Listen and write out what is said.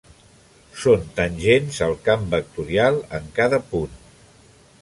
Són tangents al camp vectorial en cada punt.